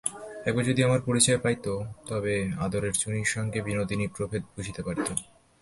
একবার যদি আমার পরিচয় পাইত, তবে আদরের চুনির সঙ্গে বিনোদিনীর প্রভেদ বুঝিতে পারিত।